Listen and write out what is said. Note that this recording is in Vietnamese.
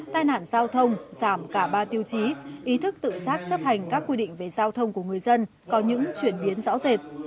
tai nạn giao thông giảm cả ba tiêu chí ý thức tự giác chấp hành các quy định về giao thông của người dân có những chuyển biến rõ rệt